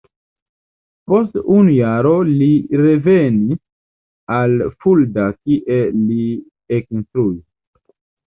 Post unu jaro li revenis al Fulda kie li ekinstruis.